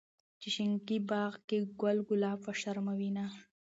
چې شينکي باغ کې ګل ګلاب وشرمووينه